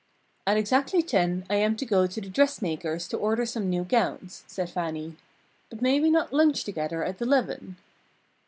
"At exactly ten I am to go to the dressmaker's to order some new gowns," said Fannie, "but may we not lunch together at eleven?"